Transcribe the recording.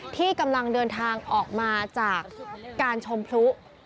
ที่กำลังเดินทางออกมาจากการชมพลุ